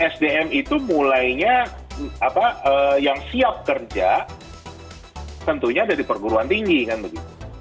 sdm itu mulainya apa yang siap kerja tentunya dari perguruan tinggi kan begitu